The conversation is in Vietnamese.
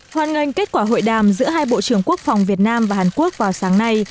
hoàn ngành kết quả hội đàm giữa hai bộ trưởng quốc phòng việt nam và hàn quốc vào sáng nay